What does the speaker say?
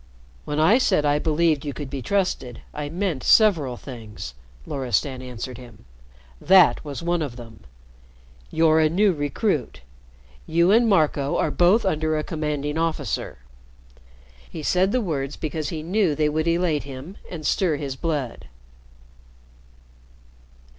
"When I said I believed you could be trusted, I meant several things," Loristan answered him. "That was one of them. You're a new recruit. You and Marco are both under a commanding officer." He said the words because he knew they would elate him and stir his blood.